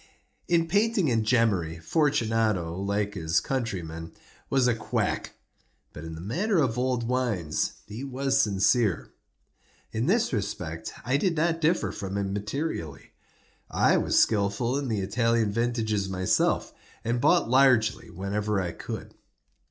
In painting and gemmary, Fortunato, like his countrymen, was a quack—but in the matter of old wines he was sincere. In this respect I did not differ from him materially: I was skilful in the Italian vintages myself, and bought largely whenever I could.